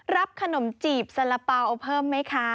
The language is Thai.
รับขนมจีบสาระเป๋าเอาเพิ่มไหมคะ